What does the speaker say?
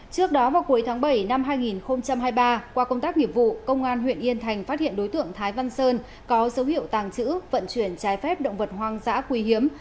trước đó vào cuối tháng bảy năm hai nghìn hai mươi ba qua công tác nghiệp vụ công an huyện yên thành phát hiện đối tượng thái văn sơn có dấu hiệu tàng trữ vận chuyển trái phép động vật hoang dã quý hiếm